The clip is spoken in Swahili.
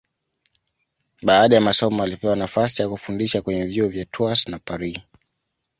Baada ya masomo alipewa nafasi ya kufundisha kwenye vyuo vya Tours na Paris.